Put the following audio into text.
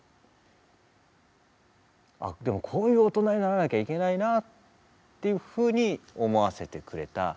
あっでもこういう大人にならなきゃいけないなっていうふうに思わせてくれた。